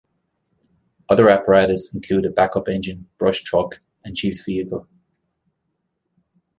Other apparatus include a backup engine, brush truck, and chief's vehicle.